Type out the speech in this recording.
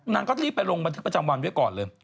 นางก็รีบไปลงบันทึกประจำวันไว้ก่อนเลย